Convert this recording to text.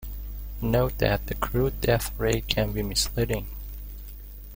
Note that the crude death rate can be misleading.